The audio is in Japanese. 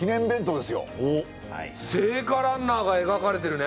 おっ聖火ランナーがえがかれてるね。